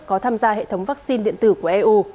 có tham gia hệ thống vaccine điện tử của eu